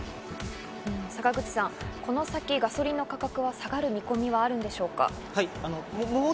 坂口さん、この先ガソリンの価格は下がる見込みはあるんでしょうか？